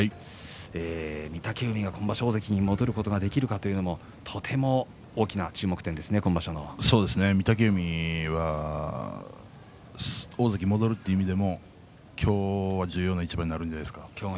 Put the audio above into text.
御嶽海が今場所大関に戻ることができるかというのも御嶽海は大関に戻るという意味でも今日は重要な一番になるんじゃないですか？